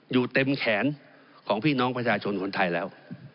อยู่เต็มแขนของพี่น้องประชาชนคนไทยแล้ว